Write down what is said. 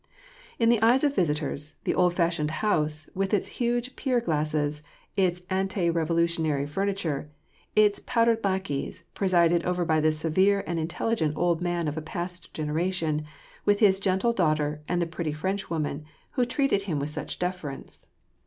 In the eyes of visitors, the old fashioned house, with its huge pier glasses, its ante revolutionary furniture, its pow dered lackeys, presided over by this severe and intelligent old man of a past generation, with his gentle daughter, and the pretty Frenchwoman, who treated him with such deference, WAR AND PEACE.